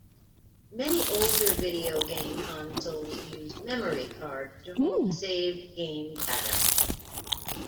Many older video game consoles used memory cards to hold saved game data.